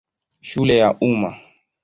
Shule ya Umma.